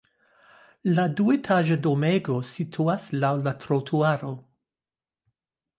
La duetaĝa domego situas laŭ la trotuaro.